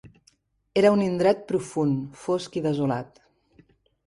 Era un indret profund, fosc i desolat.